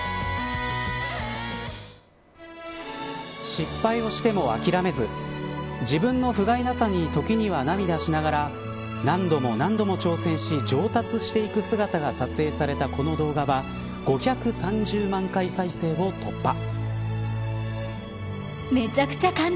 失敗をしても諦めず自分のふがいなさに時には涙しながら何度も何度も挑戦し上達していく姿が撮影されたこの動画は５３０万回再生を突破。